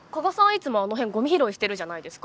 いつもあの辺ゴミ拾いしてるじゃないですか。